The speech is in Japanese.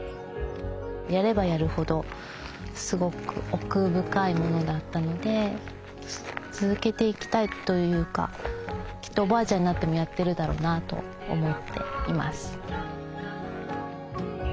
やればやるほどすごく奥深いものだったので続けていきたいというかきっとおばあちゃんになってもやってるだろうなと思っています。